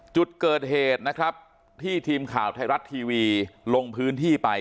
จุดเกิดเหตุนะครับที่ทีมข่าวไทยรัฐทีวีลงพื้นที่ไป